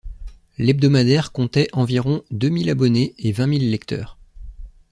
L'hebdomadaire comptait environ deux mil abonnés et vingt mil lecteurs.